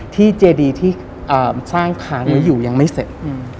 ที่เจดีที่สร้างค้างวิวอย่ายังไม่เสร็จ